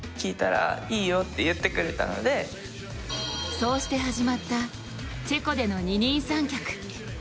そうして始まったチェコでの二人三脚。